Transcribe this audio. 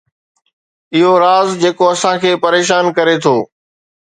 اهو راز جيڪو اسان کي پريشان ڪري ٿو